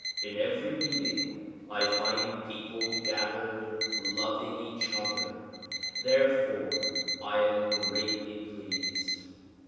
In every meeting I find people gathered loving each other; therefore I am greatly pleased.